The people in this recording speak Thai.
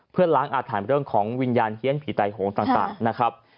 เพื่อล้างอาถรรพ์เรื่องของวิญญาณเฮียนผีไตโหงต่างนะครับ